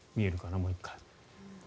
もう１回。